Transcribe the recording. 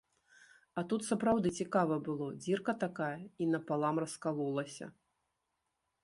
А тут сапраўды цікава было, дзірка такая і напалам раскалолася.